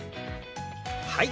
はい！